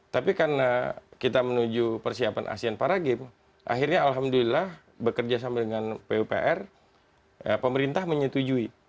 tapi karena kita menuju persiapan asean para games akhirnya alhamdulillah bekerja sama dengan pupr pemerintah menyetujui